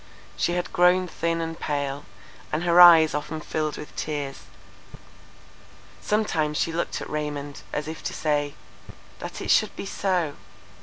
She had grown thin and pale; and her eyes often filled with tears. Sometimes she looked at Raymond, as if to say—That it should be so!